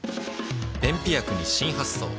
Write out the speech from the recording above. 便秘薬に新発想